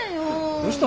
どうした？